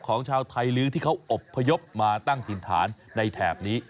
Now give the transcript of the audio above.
ของชาวไทยลื้อที่เขาอบพยพมาตั้งถิ่นฐานในแถบนี้